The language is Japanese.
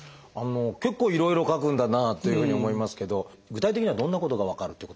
結構いろいろ書くんだなというふうに思いますけど具体的にはどんなことが分かるっていうことなんでしょう？